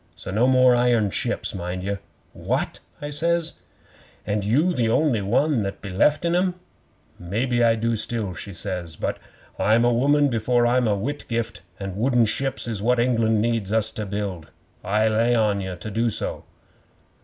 So no more iron ships, mind ye." '"What?" I says. "And you the only one that beleft in 'em!" '"Maybe I do still," she says, "but I'm a woman before I'm a Whitgift, and wooden ships is what England needs us to build. I lay on ye to do so."